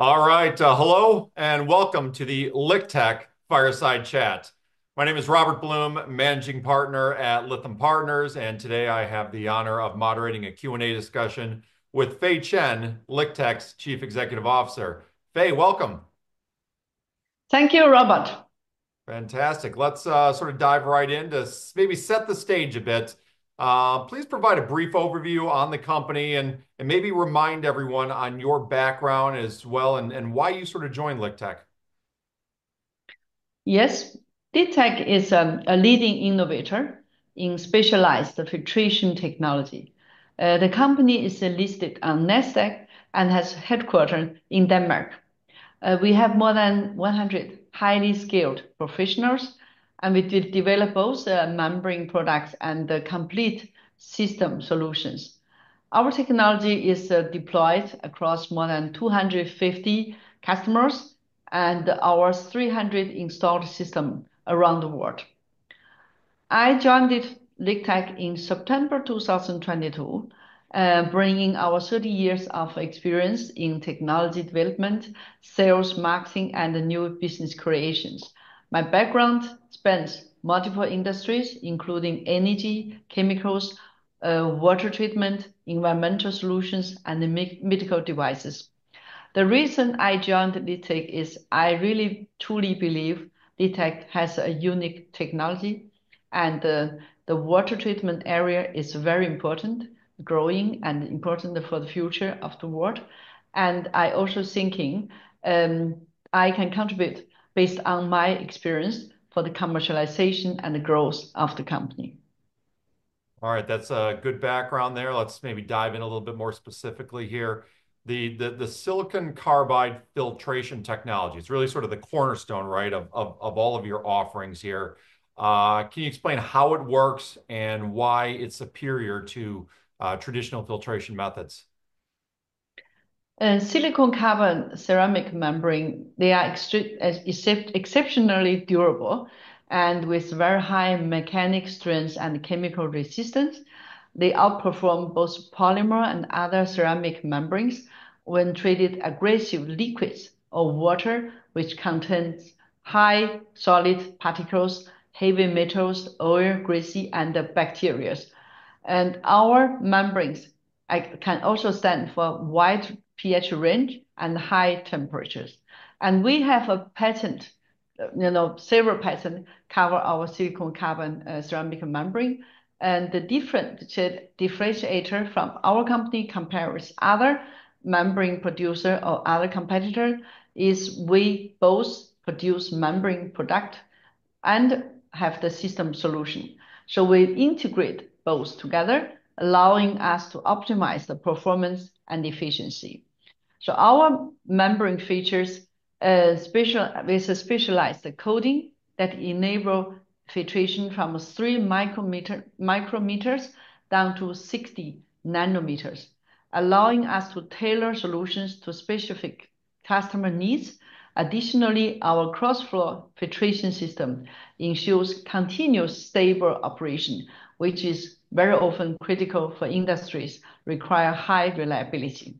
All right, hello and welcome to the LiqTech Fireside Chat. My name is Robert Blum, Managing Partner at Lithium Partners, and today I have the honor of moderating a Q&A discussion with Fei Chen, LiqTech's Chief Executive Officer. Fei, welcome. Thank you, Robert. Fantastic. Let's sort of dive right in to maybe set the stage a bit. Please provide a brief overview on the company and maybe remind everyone on your background as well and why you sort of joined LiqTech. Yes, LiqTech is a leading innovator in specialized filtration technology. The company is listed on Nasdaq and has headquarters in Denmark. We have more than 100 highly skilled professionals, and we develop both membrane products and complete system solutions. Our technology is deployed across more than 250 customers and our 300 installed systems around the world. I joined LiqTech in September 2022, bringing our 30 years of experience in technology development, sales, marketing, and new business creations. My background spans multiple industries, including energy, chemicals, water treatment, environmental solutions, and medical devices. The reason I joined LiqTech is I really truly believe LiqTech has a unique technology, and the water treatment area is very important, growing, and important for the future of the world. I also think I can contribute based on my experience for the commercialization and the growth of the company. All right, that's a good background there. Let's maybe dive in a little bit more specifically here. The silicon carbide filtration technology is really sort of the cornerstone, right, of all of your offerings here. Can you explain how it works and why it's superior to traditional filtration methods? Silicon carbide ceramic membranes, they are exceptionally durable and with very high mechanical strength and chemical resistance. They outperform both polymer and other ceramic membranes when treating aggressive liquids or water, which contains high solid particles, heavy metals, oil, grease, and bacteria. Our membranes can also stand for wide pH range and high temperatures. We have a patent, you know, several patents cover our silicon carbide ceramic membrane. The differentiator from our company compared with other membrane producers or other competitors is we both produce membrane products and have the system solution. We integrate both together, allowing us to optimize the performance and efficiency. Our membrane features with specialized coating that enable filtration from three micrometers down to 60 nanometers, allowing us to tailor solutions to specific customer needs. Additionally, our cross-flow filtration system ensures continuous, stable operation, which is very often critical for industries that require high reliability.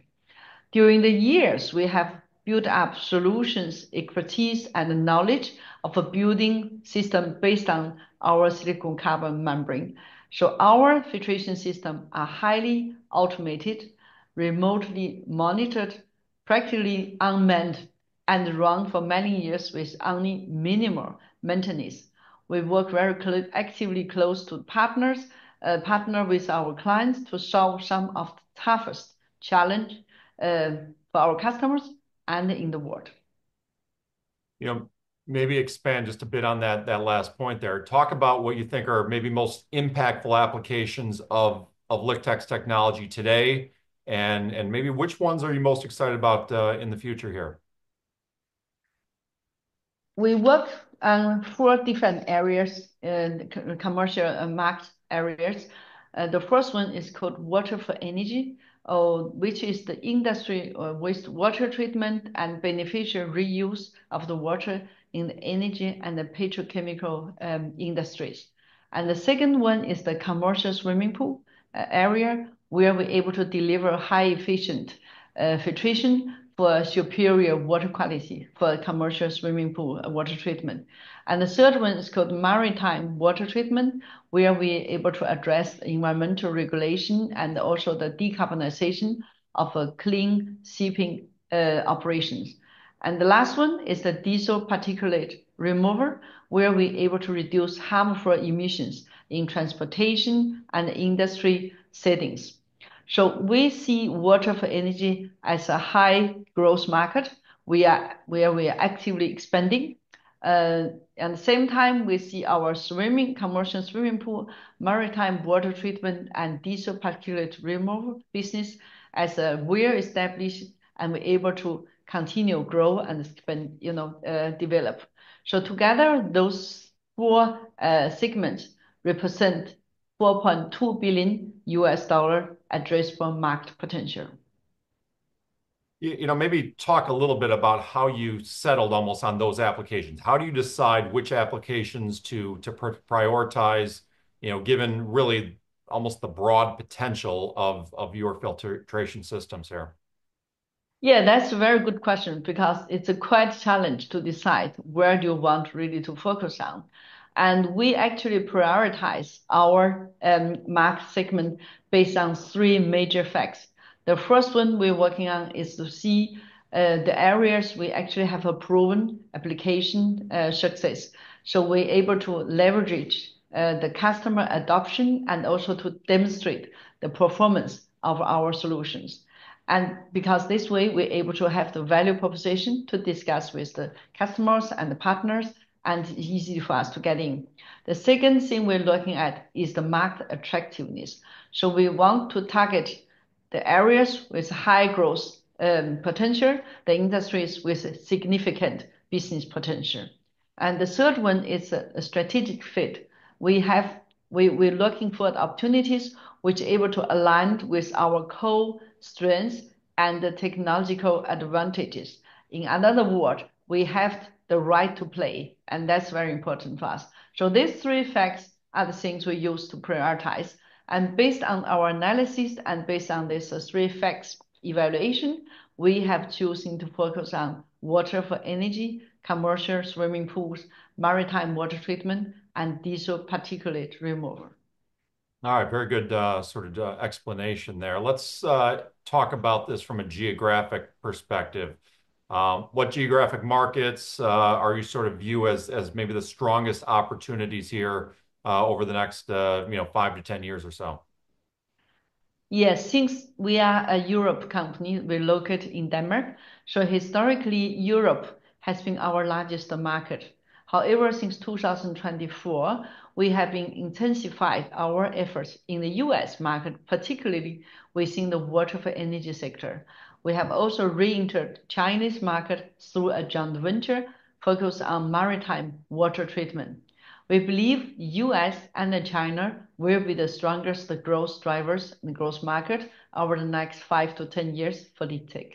During the years, we have built up solutions, expertise, and knowledge of a building system based on our silicon carbide membrane. Our filtration systems are highly automated, remotely monitored, practically unmanned, and run for many years with only minimal maintenance. We work very actively close to partners, partner with our clients to solve some of the toughest challenges for our customers and in the world. Yeah, maybe expand just a bit on that last point there. Talk about what you think are maybe most impactful applications of LiqTech's technology today, and maybe which ones are you most excited about in the future here? We work on four different areas, commercial and market areas. The first one is called Water for Energy, which is the industry wastewater treatment and beneficial reuse of the water in the energy and petrochemical industries. The second one is the commercial swimming pool area, where we are able to deliver high-efficiency filtration for superior water quality for commercial swimming pool water treatment. The third one is called maritime water treatment, where we are able to address environmental regulation and also the decarbonization of clean shipping operations. The last one is the Diesel Particulate Remover, where we are able to reduce harmful emissions in transportation and industry settings. We see water for energy as a high growth market where we are actively expanding. At the same time, we see our swimming, commercial swimming pool, maritime water treatment, and diesel particulate removal business as well established and able to continue to grow and develop. Together, those four segments represent a $4.2 billion addressable market potential. You know, maybe talk a little bit about how you settled almost on those applications. How do you decide which applications to prioritize, you know, given really almost the broad potential of your filtration systems here? Yeah, that's a very good question because it's a quite challenge to decide where do you want really to focus on. We actually prioritize our market segment based on three major facts. The first one we're working on is to see the areas we actually have a proven application success. We're able to leverage the customer adoption and also to demonstrate the performance of our solutions. Because this way, we're able to have the value proposition to discuss with the customers and the partners, and it's easy for us to get in. The second thing we're looking at is the market attractiveness. We want to target the areas with high growth potential, the industries with significant business potential. The third one is a strategic fit. We're looking for opportunities which are able to align with our core strengths and the technological advantages. In other words, we have the right to play, and that's very important for us. These three facts are the things we use to prioritize. Based on our analysis and based on this three-facts evaluation, we have chosen to focus on water for energy, commercial swimming pools, maritime water treatment, and diesel particulate removal. All right, very good sort of explanation there. Let's talk about this from a geographic perspective. What geographic markets are you sort of view as maybe the strongest opportunities here over the next five to 10 years or so? Yes, since we are a Europe company, we're located in Denmark. Historically, Europe has been our largest market. However, since 2024, we have intensified our efforts in the U.S. market, particularly within the water for energy sector. We have also re-entered the Chinese market through a joint venture focused on maritime water treatment. We believe the U.S. and China will be the strongest growth drivers in the growth market over the next five to 10 years for LiqTech.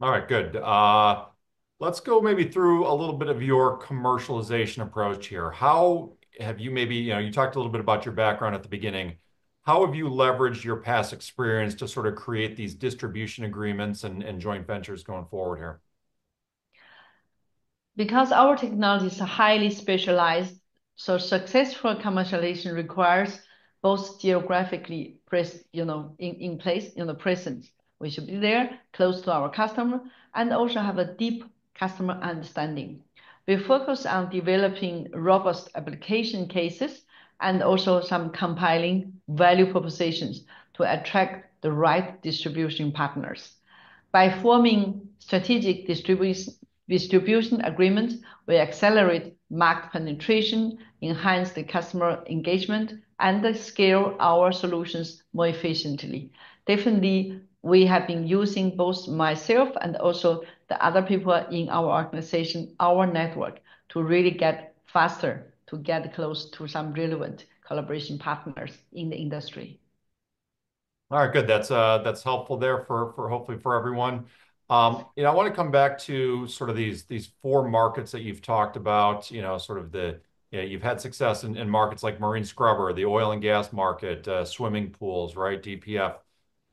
All right, good. Let's go maybe through a little bit of your commercialization approach here. How have you maybe, you know, you talked a little bit about your background at the beginning. How have you leveraged your past experience to sort of create these distribution agreements and joint ventures going forward here? Because our technology is highly specialized, successful commercialization requires both geographically in place, in the presence, we should be there close to our customer and also have a deep customer understanding. We focus on developing robust application cases and also some compelling value propositions to attract the right distribution partners. By forming strategic distribution agreements, we accelerate market penetration, enhance the customer engagement, and scale our solutions more efficiently. Definitely, we have been using both myself and also the other people in our organization, our network, to really get faster to get close to some relevant collaboration partners in the industry. All right, good. That's helpful there for hopefully for everyone. You know, I want to come back to sort of these four markets that you've talked about, you know, sort of the, you know, you've had success in markets like marine scrubber, the oil and gas market, swimming pools, right, DPF.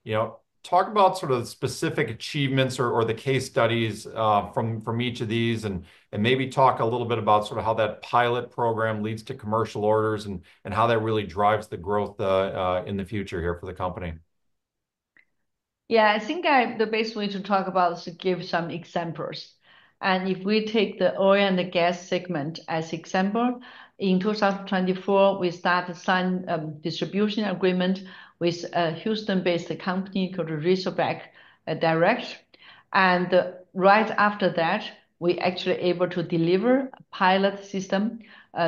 You know, talk about sort of the specific achievements or the case studies from each of these and maybe talk a little bit about sort of how that pilot program leads to commercial orders and how that really drives the growth in the future here for the company. Yeah, I think the best way to talk about it is to give some examples. If we take the oil and gas segment as an example, in 2024, we started a signed distribution agreement with a Houston-based company called Razorback Direct. Right after that, we actually were able to deliver a pilot system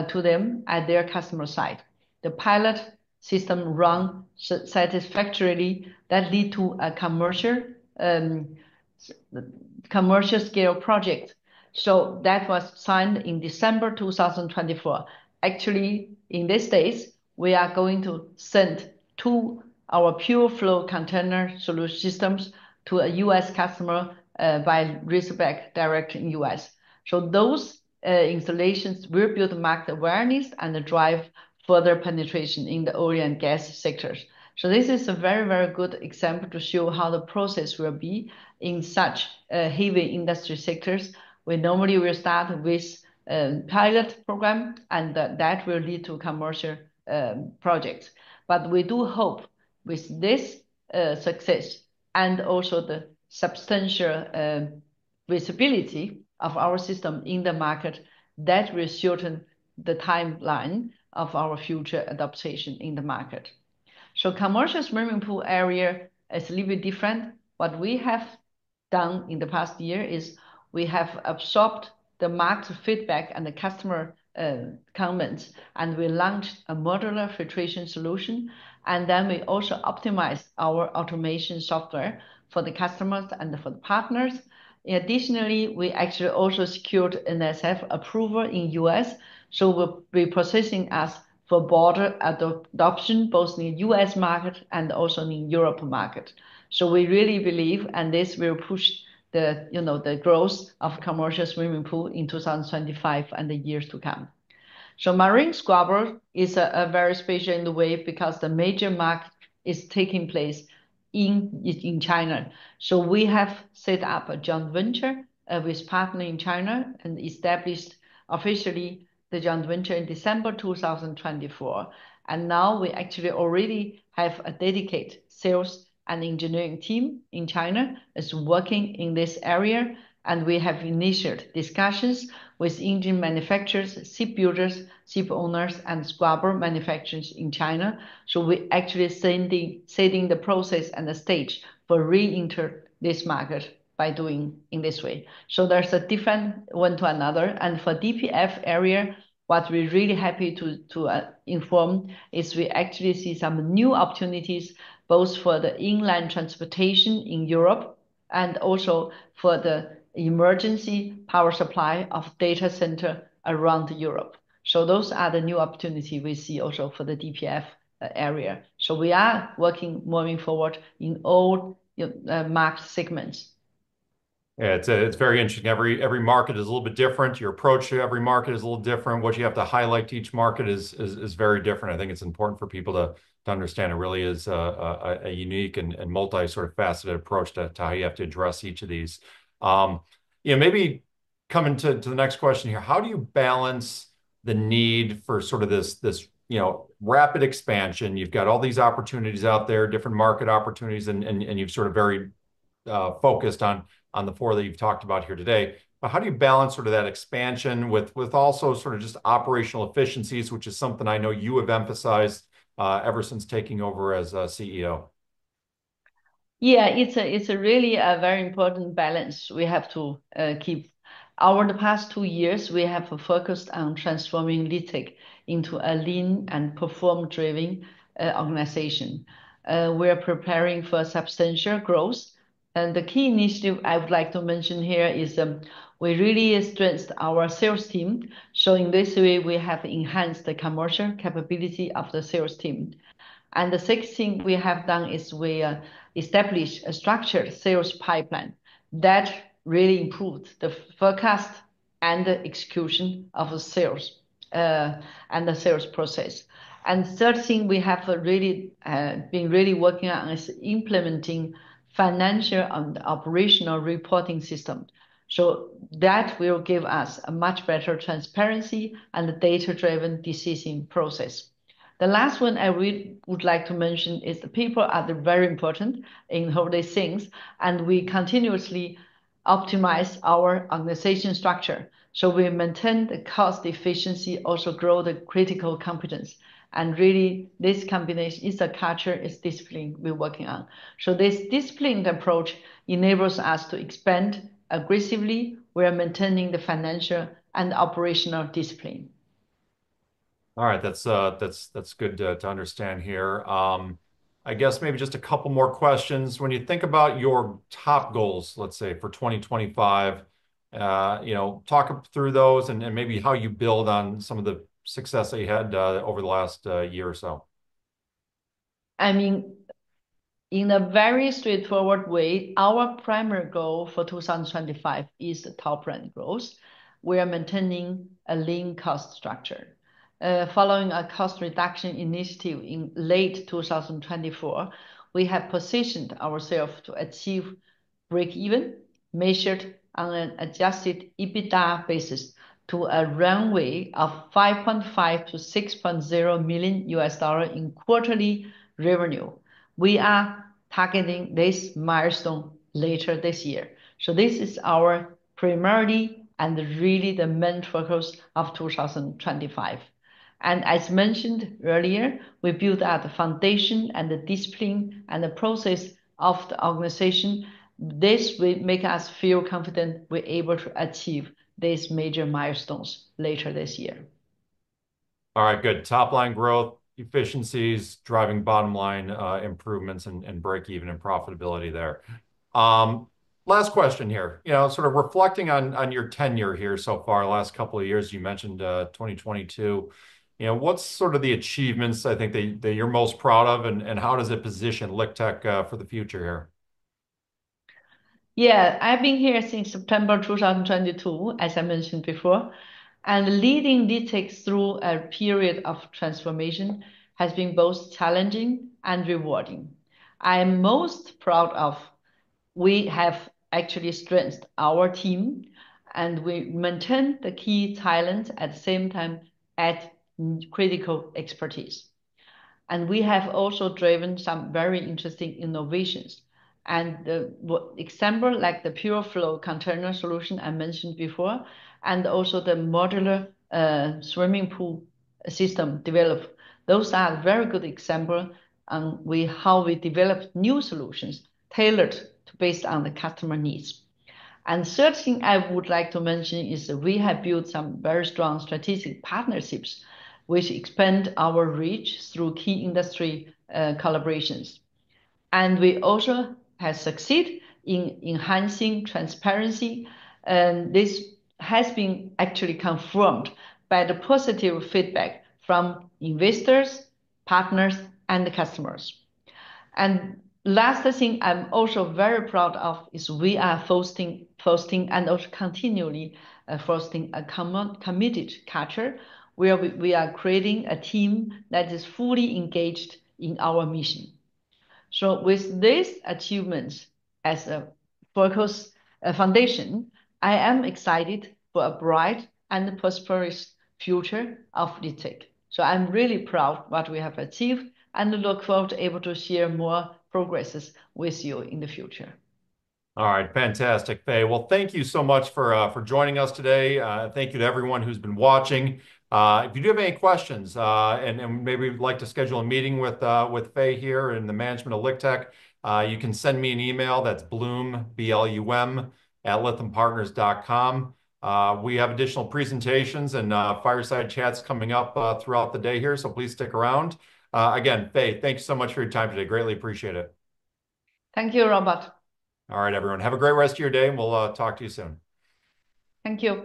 to them at their customer site. The pilot system ran satisfactorily. That led to a commercial scale project. That was signed in December 2024. Actually, these days, we are going to send two of our pure flow container solution systems to a U.S. customer via Razorback Direct in the U.S. Those installations will build market awareness and drive further penetration in the oil and gas sectors. This is a very, very good example to show how the process will be in such heavy industry sectors. We normally will start with a pilot program, and that will lead to commercial projects. We do hope with this success and also the substantial visibility of our system in the market, that will shorten the timeline of our future adaptation in the market. The commercial swimming pool area is a little bit different. What we have done in the past year is we have absorbed the market feedback and the customer comments, and we launched a modular filtration solution. We also optimized our automation software for the customers and for the partners. Additionally, we actually also secured an NSF approval in the U.S. We will be processing us for broader adoption, both in the U.S. market and also in the Europe market. We really believe this will push the growth of commercial swimming pool in 2025 and the years to come. Marine scrubber is very special in the way because the major market is taking place in China. We have set up a joint venture with a partner in China and established officially the joint venture in December 2024. We actually already have a dedicated sales and engineering team in China that's working in this area. We have initiated discussions with engine manufacturers, ship builders, ship owners, and scrubber manufacturers in China. We actually are setting the process and the stage for re-entering this market by doing in this way. There's a different one to another. For the DPF area, what we're really happy to inform is we actually see some new opportunities both for the inland transportation in Europe and also for the emergency power supply of data centers around Europe. Those are the new opportunities we see also for the DPF area. We are working moving forward in all market segments. Yeah, it's very interesting. Every market is a little bit different. Your approach to every market is a little different. What you have to highlight to each market is very different. I think it's important for people to understand it really is a unique and multi-sort of faceted approach to how you have to address each of these. You know, maybe coming to the next question here, how do you balance the need for sort of this, you know, rapid expansion? You've got all these opportunities out there, different market opportunities, and you've sort of very focused on the four that you've talked about here today. How do you balance sort of that expansion with also sort of just operational efficiencies, which is something I know you have emphasized ever since taking over as CEO? Yeah, it's really a very important balance we have to keep. Over the past two years, we have focused on transforming LiqTech into a lean and perform-driven organization. We are preparing for substantial growth. The key initiative I would like to mention here is we really strengthened our sales team, so in this way, we have enhanced the commercial capability of the sales team. The sixth thing we have done is we established a structured sales pipeline that really improved the forecast and the execution of the sales and the sales process. The third thing we have really been really working on is implementing financial and operational reporting systems. That will give us a much better transparency and the data-driven decision process. The last one I would like to mention is the people are very important in how they think, and we continuously optimize our organization structure. We maintain the cost efficiency, also grow the critical competence. This combination is a culture, is discipline we're working on. This disciplined approach enables us to expand aggressively. We are maintaining the financial and operational discipline. All right, that's good to understand here. I guess maybe just a couple more questions. When you think about your top goals, let's say for 2025, you know, talk through those and maybe how you build on some of the success that you had over the last year or so. I mean, in a very straightforward way, our primary goal for 2025 is top-line growth. We are maintaining a lean cost structure. Following a cost reduction initiative in late 2024, we have positioned ourselves to achieve break-even measured on an adjusted EBITDA basis to a runway of $5.5-$6.0 million in quarterly revenue. We are targeting this milestone later this year. This is our primary and really the main focus of 2025. As mentioned earlier, we built out the foundation and the discipline and the process of the organization. This will make us feel confident we're able to achieve these major milestones later this year. All right, good. Top-line growth, efficiencies, driving bottom-line improvements and break-even and profitability there. Last question here, you know, sort of reflecting on your tenure here so far, last couple of years, you mentioned 2022. You know, what's sort of the achievements I think that you're most proud of, and how does it position LiqTech for the future here? Yeah, I've been here since September 2022, as I mentioned before. Leading LiqTech through a period of transformation has been both challenging and rewarding. I am most proud of we have actually strengthened our team, and we maintain the key talents at the same time at critical expertise. We have also driven some very interesting innovations. The example like the pure flow container solution I mentioned before, and also the modular swimming pool system developed, those are very good examples on how we develop new solutions tailored based on the customer needs. The third thing I would like to mention is that we have built some very strong strategic partnerships which expand our reach through key industry collaborations. We also have succeeded in enhancing transparency. This has been actually confirmed by the positive feedback from investors, partners, and customers. The last thing I'm also very proud of is we are fostering and also continually fostering a committed culture where we are creating a team that is fully engaged in our mission. With these achievements as a focus foundation, I am excited for a bright and prosperous future of LiqTech. I'm really proud of what we have achieved and look forward to able to share more progress with you in the future. All right, fantastic, Fei. Thank you so much for joining us today. Thank you to everyone who's been watching. If you do have any questions and maybe you'd like to schedule a meeting with Fei here in the management of LiqTech, you can send me an email. That's Blum, B-L-U-M, at lithiumpartners.com. We have additional presentations and fireside chats coming up throughout the day here, so please stick around. Again, Fei, thank you so much for your time today. Greatly appreciate it. Thank you, Robert. All right, everyone, have a great rest of your day, and we'll talk to you soon. Thank you.